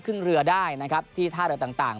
ขึ้นเรือได้นะครับที่ท่าเรือต่าง